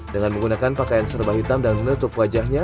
dengan menggunakan pakaian serba hitam dan menutup wajahnya